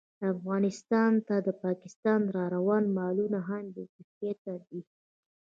افغانستان ته د پاکستان راروان مالونه هم بې کیفیته دي